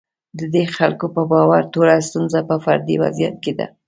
د دې خلکو په باور ټوله ستونزه په فردي وضعیت کې ده.